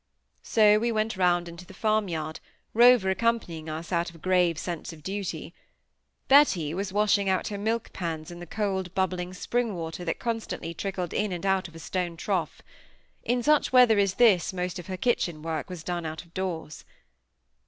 So we went round into the farmyard, Rover accompanying us out of a grave sense of duty. Betty was washing out her milk pans in the cold bubbling spring water that constantly trickled in and out of a stone trough. In such weather as this most of her kitchen work was done out of doors.